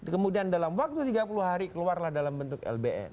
kemudian dalam waktu tiga puluh hari keluarlah dalam bentuk lbm